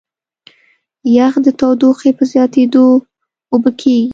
یخ د تودوخې په زیاتېدو اوبه کېږي.